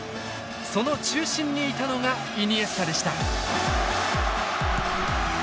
その中心にいたのがイニエスタでした。